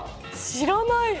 知らない。